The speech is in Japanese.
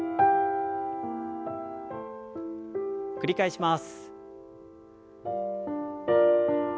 繰り返します。